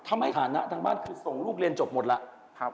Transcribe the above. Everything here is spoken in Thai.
ทำให้ฐานะทางบ้านคือส่งลูกเรียนจบหมดแล้ว